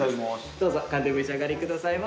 どうぞかんでお召し上がりくださいませ。